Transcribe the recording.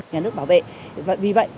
nhà nước bảo vệ và vì vậy